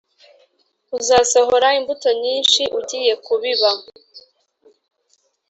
uzasohora imbuto nyinshi ugiye kubiba,